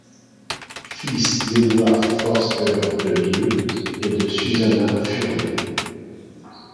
Fils d’Edward Forster le vieux et de Susanna Furney.